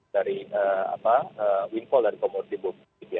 dari windfall dari komorsifum